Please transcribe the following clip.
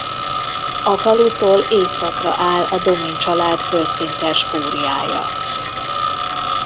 A falutól északra áll a Domin család földszintes kúriája.